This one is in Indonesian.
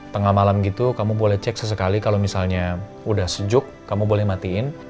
tengah malam gitu kamu boleh cek sesekali kalau misalnya udah sejuk kamu boleh matiin